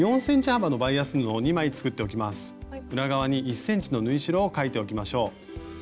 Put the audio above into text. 裏側に１ｃｍの縫い代を描いておきましょう。